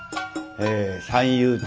え三遊亭